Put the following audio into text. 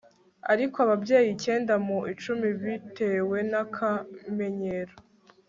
Ariko ababyeyi icyenda mu icumi bitewe nakamenyero